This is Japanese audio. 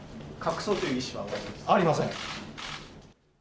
ありません。